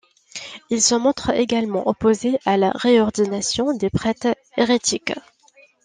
Il se montre également opposé à la réordination des prêtres hérétiques.